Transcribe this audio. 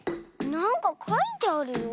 なんかかいてあるよ。